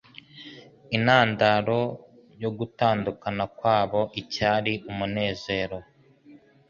intandaro yo gutandukana kwabo icyari umunezero